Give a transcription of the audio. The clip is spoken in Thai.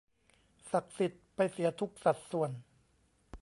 ศักดิ์สิทธิ์ไปเสียทุกสัดส่วน